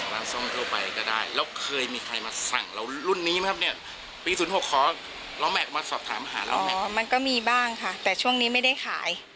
ร้านซ่อมทั่วไปก็ได้แล้วเคยมีใครมาสั่งเรารุ่นนี้ไหมครับเนี่ย